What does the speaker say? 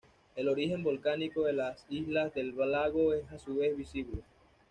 El origen volcánico de las islas del lago es a su vez visible.